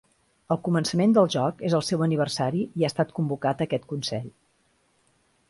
Al començament del joc és el seu aniversari, i ha estat convocat a aquest consell.